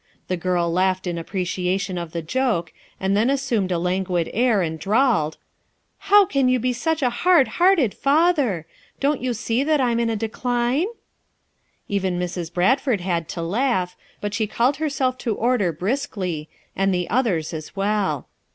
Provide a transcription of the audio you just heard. The girl laughed in apprecia tion of the joke, and then assumed a languid air and drawled— " How can you be such a hard hearted father! Don't you see that I'm in a decline?" Even Mrs. Bradford had to laugh, but she called herself to order briskly, and the others, as well.